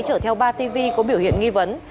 chở theo ba tv có biểu hiện nghi vấn